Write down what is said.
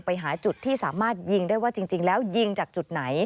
ไปหาจุดที่สามารถยิงได้ว่าจริงแล้วยิงจากจุดไหน